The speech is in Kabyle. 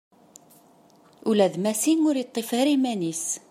Ula d Massi ur yeṭṭif ara iman-is.